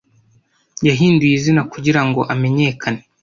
yahinduye izina kugira ngo amenyekane